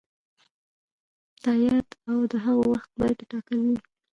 تادیات او د هغو وخت باید ټاکلی وي.